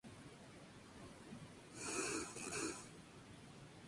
Fue considerado por los bolcheviques como un Estado colchón.